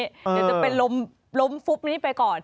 เดี๋ยวจะเป็นล้มฟุบนี้ไปก่อน